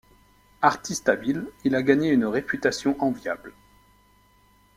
Artiste habile, il a gagné une réputation enviable.